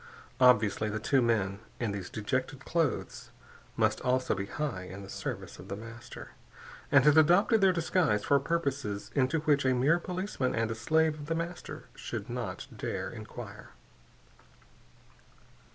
Obviously, the two men in these dejected clothes must also be high in the service of The Master, and had adopted their disguise for purposes into which a mere policeman and a slave of The Master should not dare enquire.